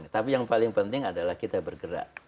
tapi yang paling penting adalah kita bergerak